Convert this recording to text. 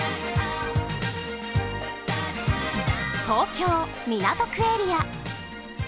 東京・港区エリア。